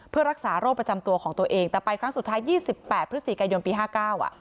เพื่อรักษาโรคประจำตัวของตัวเองแต่ไปครั้งสุดท้ายยี่สิบแปดพฤษฐีกายนปีห้าเก้าอะ